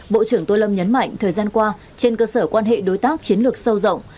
bộ trưởng tô lâm nhấn mạnh thời gian qua trên cơ sở quan hệ đối tác chiến lược sâu rộng